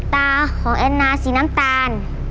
ตาของแอนนาสีน้ำตาล